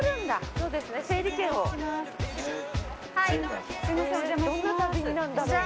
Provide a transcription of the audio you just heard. どんな旅になんだろう。